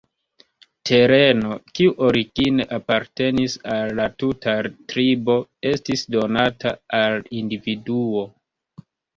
Tereno, kiu origine apartenis al la tuta tribo, estis donata al individuo.